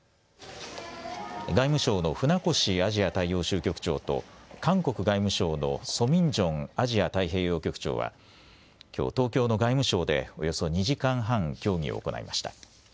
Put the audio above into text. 外務省の船越アジア大洋州局長と韓国外務省のソ・ミンジョンアジア太平洋局長はきょう東京の外務省でおよそ２時間半協議を行いました。